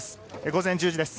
午前１０時です。